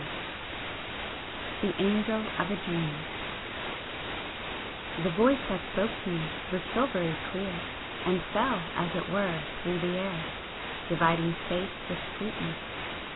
III THE ANGEL OF A DREAM The Voice that spoke to me was silvery clear, and fell as it were through the air, dividing space with sweetness.